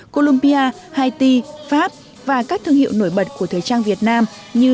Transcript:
colombia haiti pháp và các thương hiệu nổi bật của thời trang việt nam như